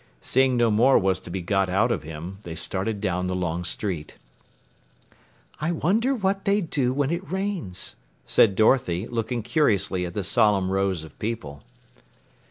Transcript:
Seeing no more was to be got out of him, they started down the long street. "I wonder what they do when it rains?" said Dorothy, looking curiously at the solemn rows of people.